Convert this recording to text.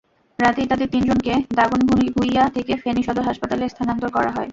রাতেই তাঁদের তিনজনকে দাগনভূঞা থেকে ফেনী সদর হাসপাতালে স্থানান্তর করা হয়।